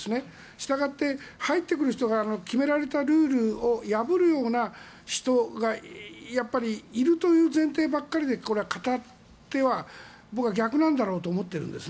従って、入ってくる人が決められたルールを破るような人がやっぱりいるという前提ばかりで語っては、僕は逆なんだと思っているんです。